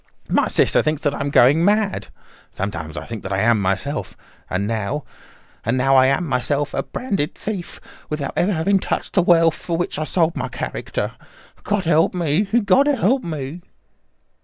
My sister thinks that I am going mad. Sometimes I think that I am myself. And now—and now I am myself a branded thief, without ever having touched the wealth for which I sold my character. God help me! God help me!"